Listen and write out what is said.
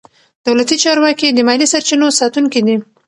دولتي چارواکي د مالي سرچینو ساتونکي دي.